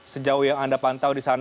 sejauh yang anda pantau di saat ini